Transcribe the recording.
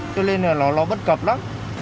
cho nên là nó bất cập lắm